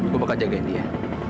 gua bakal jagain dia